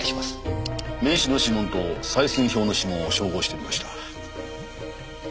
名刺の指紋と採寸表の指紋を照合してみました。